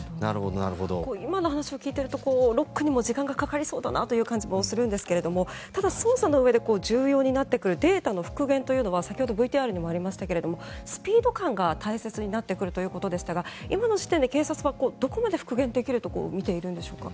今の話を聞いているとロックにも時間がかかりそうだなという感じがするんですがただ、捜査のうえで重要になってくるデータの復元というのは先ほどＶＴＲにもありましたがスピード感が大切になってくるということでしたが今の時点で警察はどのくらい復元できると見ているんでしょうか。